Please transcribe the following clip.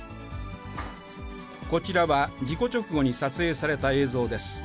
こちらは事故直後に撮影された映像です。